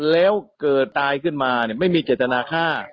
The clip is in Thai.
แล้วเกิดตายขึ้นมาไม่มีเจตนาฆ่า